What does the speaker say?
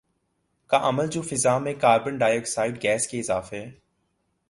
کا عمل جو فضا میں کاربن ڈائی آکسائیڈ گیس کے اضافے